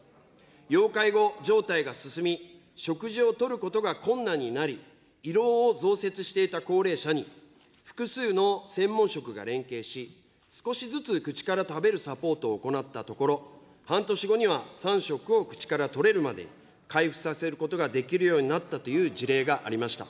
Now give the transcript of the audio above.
要介護状態が進み、食事をとることが困難になり、胃ろうを造設していた高齢者に、複数の専門職が連携し、少しずつ口から食べるサポートを行ったところ、半年後には３食を口からとれるまでに回復させることができるようになったという事例がありました。